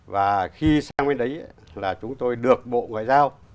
và khi sang bên đấy là chúng tôi được bộ ngoại giao